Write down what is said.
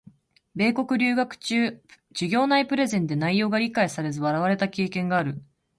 米国留学中、授業内プレゼンで内容が理解されず笑われた経験がある。